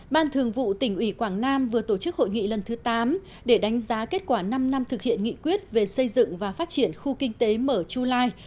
ban thường vụ tỉnh ủy quảng nam vừa tổ chức hội nghị lần thứ tám để đánh giá kết quả năm năm thực hiện nghị quyết về xây dựng và phát triển khu kinh tế mở chu lai